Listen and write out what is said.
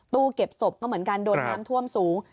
เก็บศพก็เหมือนกันโดนน้ำท่วมสูง